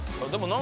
何？